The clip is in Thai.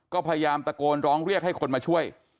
ก็พยายามตะโกนร้องเรียกให้คนมาช่วย